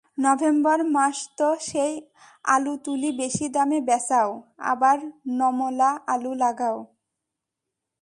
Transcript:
November মাসোত সেই আলু তুলি বেশি দামে বেচাও, আবার নমলা আলু লাগাও।